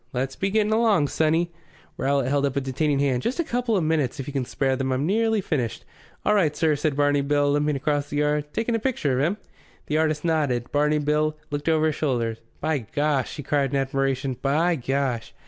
"Let's be getting along, sonny." Rowlatt held up a detaining hand. "Just a couple of minutes, if you can spare them. I've nearly finished." "All right, sir," said Barney Bill, limping across the yard. "Taking a picture of him?" The artist nodded. Barney Bill looked over his shoulder. "By Gosh!" he cried in admiration. "By Gosh!"